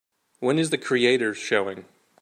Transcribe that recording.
When is The Creators showing